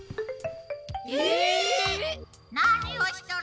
えっ！？何をしとる！